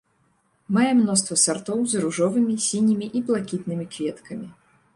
Мае мноства сартоў з ружовымі, сінімі і блакітнымі кветкамі.